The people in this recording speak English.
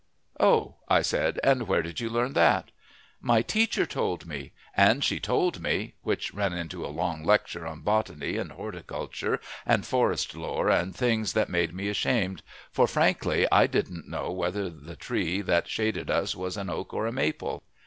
"Oh!" I said; "and where did you learn that?" "My teacher told me, and she told me " which ran into a long lecture on botany and horticulture and forest lore and things that made me ashamed, for, frankly, I didn't know whether the tree that shaded us was an oak or a maple.